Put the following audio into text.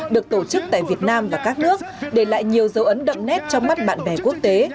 được tổ chức tại việt nam và các nước để lại nhiều dấu ấn đậm nét trong mắt bạn bè quốc tế